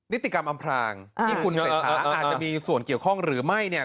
นิติกรรมอำพลางที่คุณเศรษฐาอาจจะมีส่วนเกี่ยวข้องหรือไม่เนี่ย